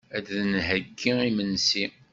Ad d-nheyyi imensi.